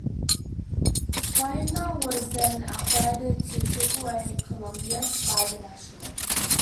Speigner was then outrighted to Triple A Columbus by the Nationals.